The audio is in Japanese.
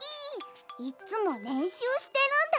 いっつもれんしゅうしてるんだ！